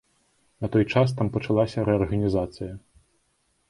На той час там пачалася рэарганізацыя.